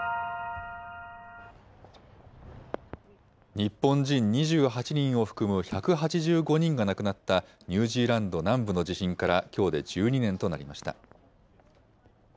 日本人２８人を含む１８５人が亡くなったニュージーランド南部の地震からきょうで１２年となりました。